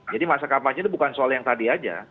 jadi masa kampanye itu bukan soal yang tadi saja